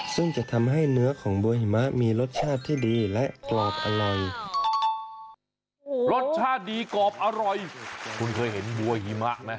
คุณเคยเห็นบัวหิมะไหม